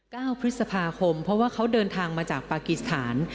เก้าพฤษภาคมเพราะว่าเขาเดินทางมาจากปากีสถาน